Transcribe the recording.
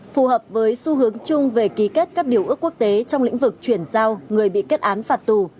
phù hợp với xu hướng chung về ký kết các điều ước quốc tế trong lĩnh vực chuyển giao người bị kết án phạt tù